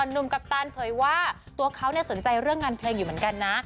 กัปตันเผยว่าตัวเขาสนใจเรื่องงานเพลงอยู่เหมือนกันนะ